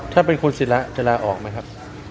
ถ้าเป็นคุณศิราจะลาออกไหมครับ